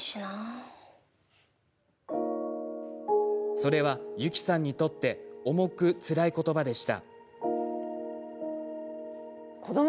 それは、ゆきさんにとって重く、つらい言葉でした。